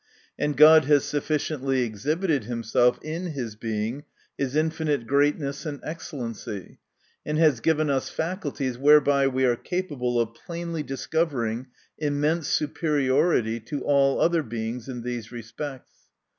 And God has sufficiently exhibited himself, in his Being, his infinite g eatness and excellency : and has given us THE NATURE OF VIRTUE 267 faculties, whereby we are capable of plainly discovering immense superiority to all other Beings, in these respects.